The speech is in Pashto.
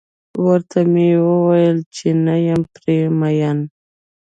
ورته و مې ويل چې نه یم پرې مين.